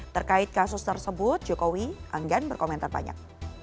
terkait kasus tersebut jokowi enggan berkomentar banyak